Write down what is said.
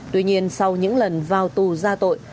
tuy nhiên sau những lần vào tù ra tội